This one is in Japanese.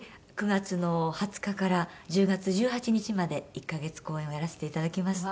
９月の２０日から１０月１８日まで１カ月公演をやらせていただきます。